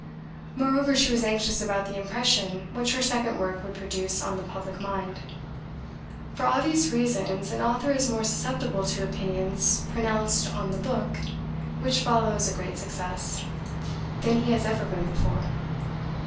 Moreover, she was anxious about the impression which her second work would produce on the public mind. For obvious reasons an author is more susceptible to opinions pronounced on the book which follows a great success, than he has ever been before.